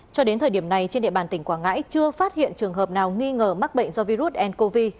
cho đến thời điểm này trên địa bàn tỉnh quảng ngãi chưa phát hiện trường hợp nào nghi ngờ mắc bệnh do virus ncov